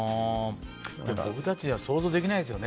僕たちには想像できないですね。